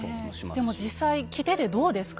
でも実際着ててどうですか？